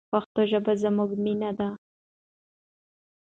پښتو ژبه زموږ مینه ده.